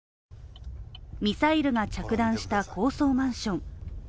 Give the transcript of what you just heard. ミサイルが着弾した高層マンション。